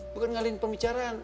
bukan ngalihin pembicaraan